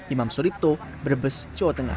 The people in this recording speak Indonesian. imam suripto brebes jawa tengah